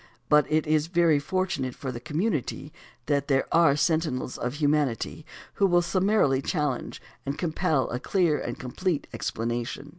But it is very fortunate for the community that there are sentinels of humanity who will summarily challenge and compel a clear and complete explanation.